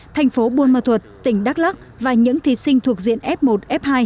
thành phố buôn ma thuật tỉnh đắk lắc và những thí sinh thuộc diện f một f hai